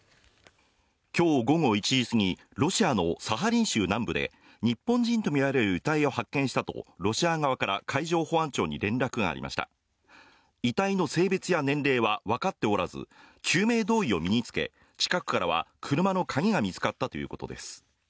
今日午後１時過ぎロシアのサハリン州南部で日本人と見られる遺体を発見したとロシア側から海上保安庁に連絡がありました遺体の性別や年齢はわかっておらず救命胴衣を身につけ近くからは車の鍵が見つかったということです